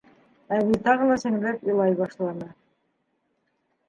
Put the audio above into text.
— Әбей тағы ла сеңләп илай башланы.